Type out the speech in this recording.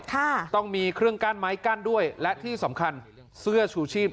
ค่ะต้องมีเครื่องกั้นไม้กั้นด้วยและที่สำคัญเสื้อชูชีพ